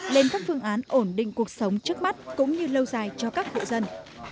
lên các phương án ổn định cuộc sống trước mắt cũng như lâu dài cho các hộ dân